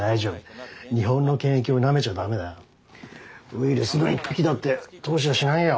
ウイルスの一匹だって通しやしないよ。